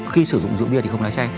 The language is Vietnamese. khi sử dụng rượu bia thì không lái xe